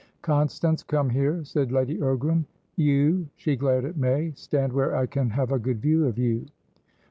"Constance, come here," said Lady Ogram. "You"she glared at May"stand where I can have a good view of you."